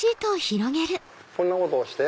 こんなことをして。